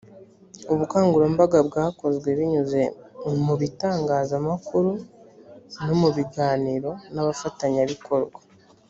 ubukangurambaga bwakozwe binyuze mu bitangazamakuru no mu biganiro n abafatanyabikorwa